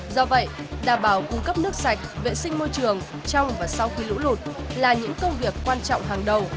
do vậy đảm bảo cung cấp nước sạch vệ sinh môi trường trong và sau khi lũ lụt là những công việc quan trọng hàng đầu